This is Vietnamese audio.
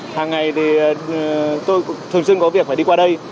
hàng ngày thì tôi thường xuyên có việc phải đi qua đây